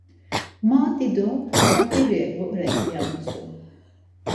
Ma dido feǩiri vore ya mitzu.